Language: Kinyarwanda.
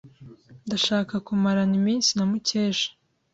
Ndashaka kumarana iminsi na Mukesha.